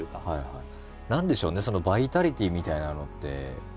何でしょうねそのバイタリティーみたいなのって。